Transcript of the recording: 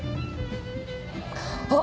あっ！